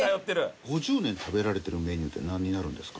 ５０年食べられてるメニューって何になるんですか？